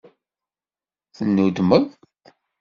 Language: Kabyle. Tennudmeḍ?